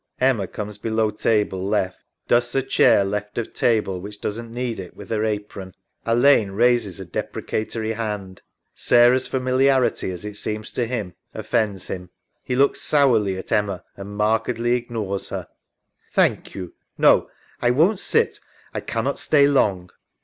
[Emma comes below table left. Dusts a chair left of table, which doesn't need it, with her apron. Alleyne raises a depre catory hand. SaraK s familiarity , as it seems to him, offends him. He looks sourly at Emma and markedly ignores her. ALLEYNE. Thank you; no, I won't sit, I cannot stay long.